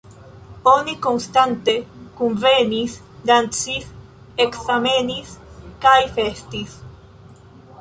Oni konstante kunvenis, dancis, ekzamenis kaj festis.